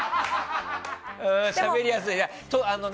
しゃべりやすい。